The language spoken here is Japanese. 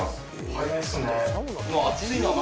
早いですね。